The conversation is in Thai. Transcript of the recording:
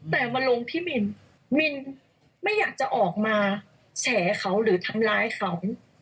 แต่มาลงพี่มินมินไม่อยากจะออกมาแฉเขาหรือทำร้ายเขา